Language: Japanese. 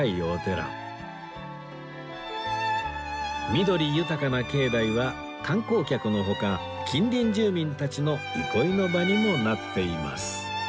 緑豊かな境内は観光客の他近隣住民たちの憩いの場にもなっています